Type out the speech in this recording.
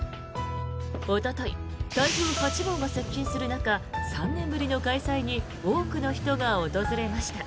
おととい、台風８号が接近する中３年ぶりの開催に多くの人が訪れました。